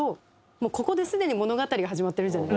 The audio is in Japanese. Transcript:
もうここですでに物語が始まってるじゃないですか。